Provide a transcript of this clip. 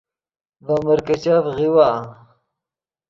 ڤے مرکیچف غیؤوا